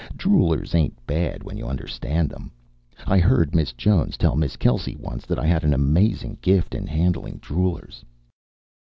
Droolers ain't bad when you understand them. I heard Miss Jones tell Miss Kelsey once that I had an amazing gift in handling droolers.